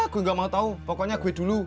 gue gak mau tau pokoknya kue dulu